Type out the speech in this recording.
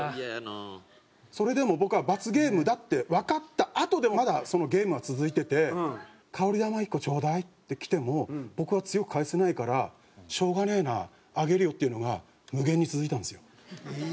それでも僕は罰ゲームだってわかったあとでもまだそのゲームは続いてて「香り玉１個ちょうだい」って来ても僕は強く返せないから「しょうがねえなあげるよ」っていうのが無限に続いたんですよ。